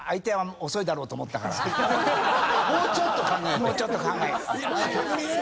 もうちょっと考えて。